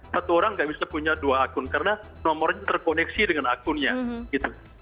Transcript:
satu orang nggak bisa punya dua akun karena nomornya terkoneksi dengan akunnya gitu